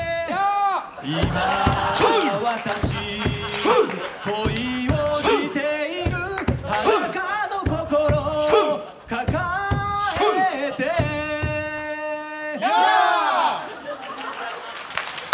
今私恋をしている裸の心抱えてヤー！